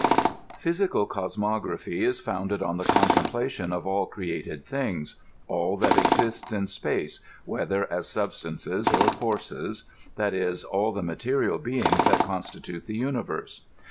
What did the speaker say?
Physical cosmography is founded on the contemplation of all created things — all that exists in spsu;e, whether as substances or forces — that is, all the material beings that constitute the universe.